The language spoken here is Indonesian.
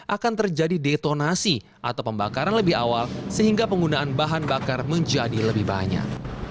akan terjadi detonasi atau pembakaran lebih awal sehingga penggunaan bahan bakar menjadi lebih banyak